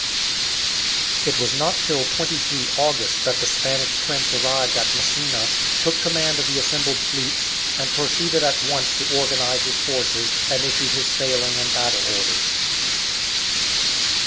It was not till 23 August that the Spanish Prince arrived at Messina, took command of the assembled fleets, and proceeded at once to organize his forces, and issued his sailing and battle orders.